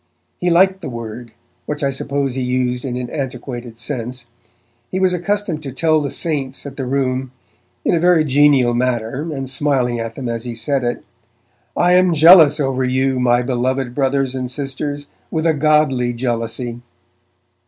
He liked the word, which I suppose he used in an antiquated sense. He was accustomed to tell the 'saints' at the Room, in a very genial manner, and smiling at them as he said it, 'I am jealous over you, my beloved brothers and sisters, with a godly jealousy.'